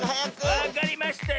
わかりましたよ。